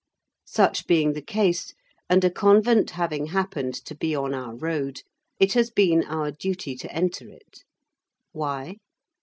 Such being the case, and a convent having happened to be on our road, it has been our duty to enter it. Why?